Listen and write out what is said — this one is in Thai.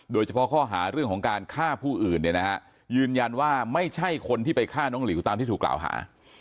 โดยเฉพาะข้อหาเรื่องของการฆ่าผู้อื่นเนี่ยนะฮะยืนยันว่าไม่ใช่คนที่ไปฆ่าน้องหลิวตามที่ถูกกล่าวหา